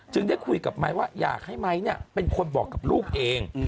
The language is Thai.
ได้คุยกับไม้ว่าอยากให้ไมค์เป็นคนบอกกับลูกเอง